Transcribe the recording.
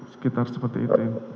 sekitar seperti itu